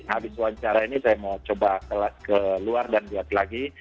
habis wawancara ini saya mau coba kelas ke luar dan lihat lagi